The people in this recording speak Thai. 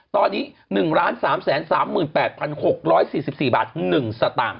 ตอนนี้๑๓๓๘๖๔๔บาท๑สตางค